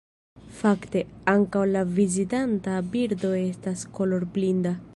Fakte, ankaŭ la vizitanta birdo estas kolorblinda!